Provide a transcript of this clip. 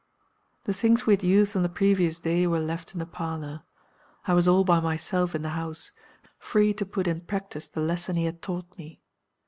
"The things we had used on the previous day were left in the parlor. I was all by myself in the house, free to put in practice the lesson he had taught me.